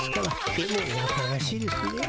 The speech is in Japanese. でもやかましいですね。